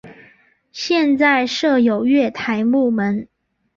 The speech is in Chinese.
现在设有月台幕门。